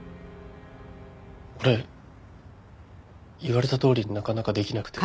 俺言われたとおりになかなかできなくて。